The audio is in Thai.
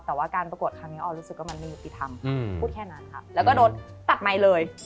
แต่ว่าการประกวดครั้งนี้ออนรู้สึกว่ามันไม่ยุติธรรมพูดแค่นั้นค่ะแล้วก็โดนตัดไมค์เลย